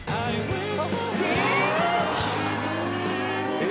えっ！？